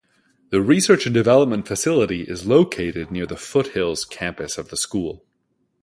The research and development facility is located near the foothills campus of the school.